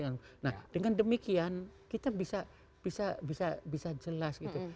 nah dengan demikian kita bisa jelas gitu